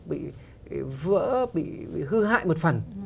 bị vỡ bị hư hại một phần